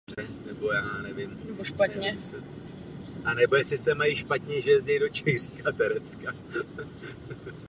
Následně v doplňovací volbě byl ihned opět zvolen za poslance.